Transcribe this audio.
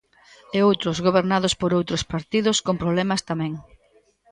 E outros, gobernados por outros partidos, con problemas tamén.